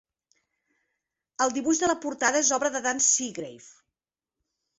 El dibuix de la portada és obra de Dan Seagrave.